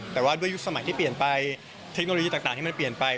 แต่ว่าด้วยยุคสมัยที่เปลี่ยนไปเทคโนโลยีต่างที่มันเปลี่ยนไป